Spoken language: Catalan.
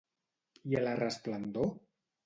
I a la resplendor?